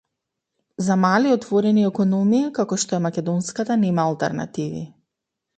За мали отворени економии како што е македонската, нема алтернативи